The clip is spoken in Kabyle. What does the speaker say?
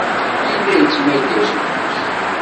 Yella yettmagga s ufus.